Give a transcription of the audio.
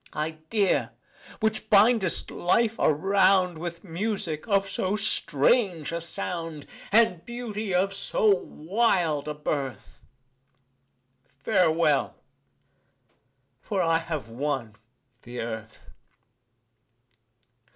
Idea! which bindest life around With music of so strange a sound, And beauty of so wild a birth Farewell! for I have won the Earth.